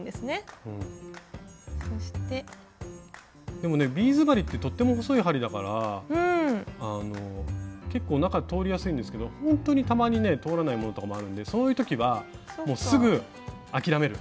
でもねビーズ針ってとっても細い針だから結構中通りやすいんですけどほんとにたまにね通らないものとかもあるんでそういう時はすぐ諦める。